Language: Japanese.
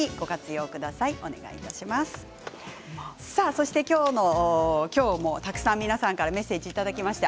そして、今日もたくさん皆さんからメッセージをいただきました。